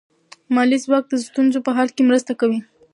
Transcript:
مالي ځواک د ستونزو په حل کې مرسته کوي.